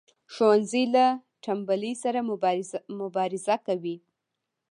ښوونځی له تنبلی سره مبارزه کوي